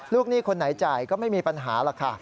ลูกหนี้คนไหนจ่ายก็ไม่มีปัญหาล่ะค่ะ